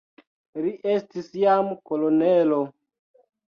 Li estis jam kolonelo.